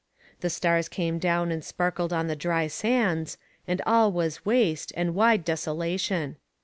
The stars came down and sparkled on the dry sands, and all was waste, and wide desolation.